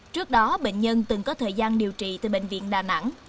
trước đó bệnh nhân từng có thời gian điều trị tại bệnh viện đà nẵng